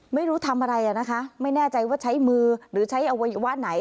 ไม่รู้ทำอะไรอ่ะนะคะไม่แน่ใจว่าใช้มือหรือใช้อวัยวะไหน